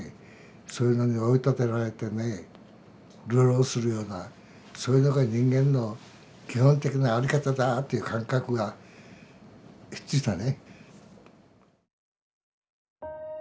そういうのに追い立てられてね流浪するようなそういうのが人間の基本的な在り方だっていう感覚がひっついたね。